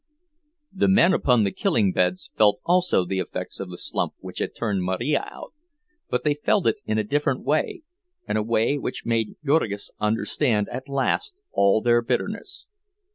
The men upon the killing beds felt also the effects of the slump which had turned Marija out; but they felt it in a different way, and a way which made Jurgis understand at last all their bitterness.